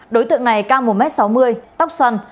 đối tượng này cao một m sáu mươi tóc xoăn